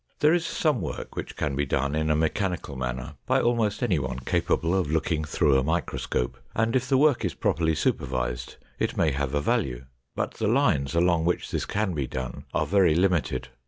There is some work which can be done in a mechanical manner by almost anyone capable of looking through a microscope, and if the work is properly supervised, it may have a value, but the lines along which this can be done are very limited.